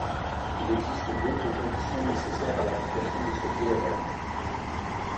Il existe d'autres conditions nécessaires à l'application de ce théorème